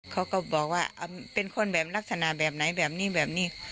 เขาก็บอกว่าเป็นคนแบบลักษณะแบบไหนแบบนี้แบบนี้